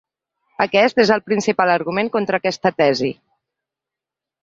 Aquest és el principal argument contra aquesta tesi.